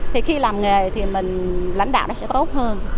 thì khi làm nghề thì mình lãnh đạo nó sẽ tốt hơn